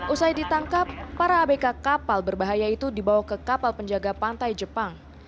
usai ditangkap para abk kapal berbahaya itu dibawa ke kapal penjaga pantai jepang